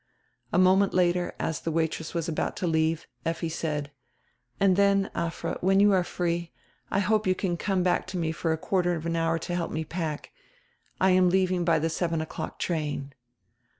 A moment later, as die waitress was about to leave, Effi said: "And then, Afra, when you are free, I hope you can come back to me for a quarter of an hour to help me pack. I am leaving by the seven o'clock train."